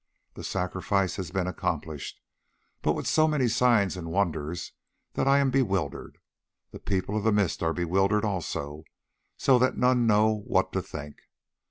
The sacrifice has been accomplished, but with so many signs and wonders that I am bewildered; the People of the Mist are bewildered also, so that none know what to think.